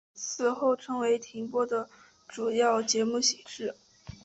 此后成为停播前的主要节目形式。